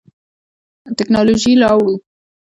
تکنالوژي راوړو.